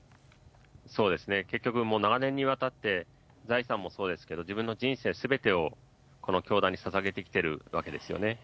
そうですね、結局、長年にわたって財産もそうですけど、自分の人生すべてをこの教団にささげてきているわけですよね。